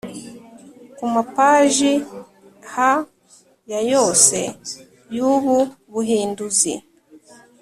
Ku mapaji ha ya yose y ubu buhinduzi